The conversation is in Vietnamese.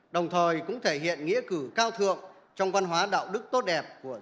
đồng thời cũng thể hiện nghĩa cử cao thượng trong văn hóa đạo đức tốt đẹp của dân tộc